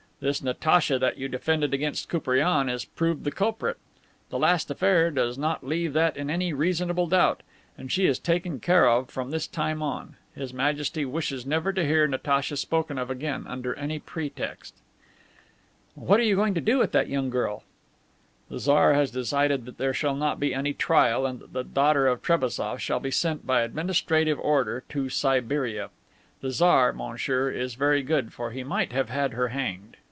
This Natacha that you defended against Koupriane is proved the culprit. The last affair does not leave that in any reasonable doubt. And she is taken care of from this time on. His Majesty wishes never to hear Natacha spoken of again under any pretext." "And what are you going to do with that young girl?" "The Tsar has decided that there shall not be any trial and that the daughter of General Trebassof shall be sent, by administrative order, to Siberia. The Tsar, monsieur, is very good, for he might have had her hanged.